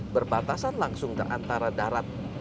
berbatasan langsung antara darat